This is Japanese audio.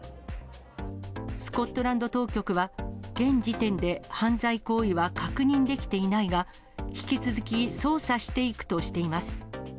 スコットランド当局は、現時点で犯罪行為は確認できていないが、引き続き捜査していくとしています。